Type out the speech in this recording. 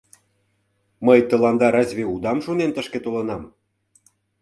Мый тыланда разве удам шонен тышке толынам?